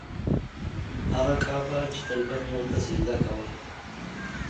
هغه کعبه چې تل به مې ورته سجده کوله.